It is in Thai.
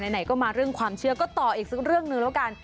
ไหนก็มาเรื่องความเชื่อก็ต่ออีกสักเรื่องหนึ่งแล้วกัน